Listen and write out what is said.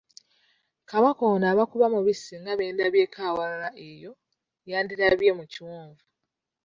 Kabaka ono aba kuba mubisi nga be ndabyeko awalala eyo, yandirabye mu kiwonvu.